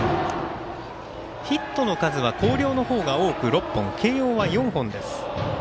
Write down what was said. ヒットの数は広陵のほうが多く６本慶応は４本です。